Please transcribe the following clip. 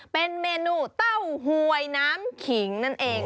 เป็นเมนูเต้าหวยน้ำขิงนั่นเอง